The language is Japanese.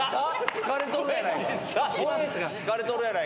疲れとるやないかい。